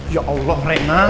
ya allah reina